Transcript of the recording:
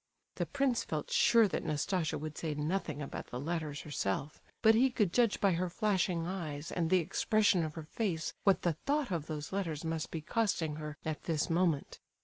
The prince felt sure that Nastasia would say nothing about the letters herself; but he could judge by her flashing eyes and the expression of her face what the thought of those letters must be costing her at this moment.